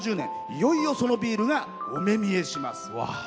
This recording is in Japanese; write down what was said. いよいよそのビールがお目見えします。